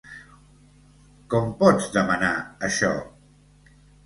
Com pots demanar això?